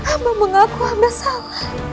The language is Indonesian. amba mengaku amba salah